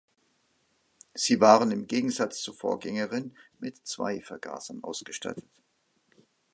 Sie waren im Gegensatz zur Vorgängerin mit zwei Vergasern ausgestattet.